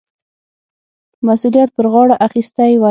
مسؤلیت پر غاړه اخیستی وای.